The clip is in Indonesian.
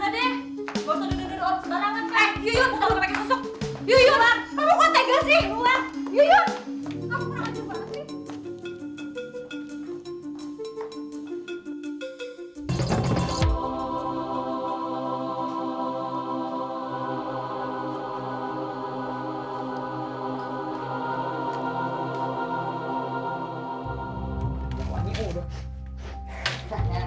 bisa duduk duduk orang sederhana kan